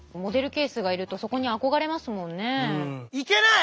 いけない！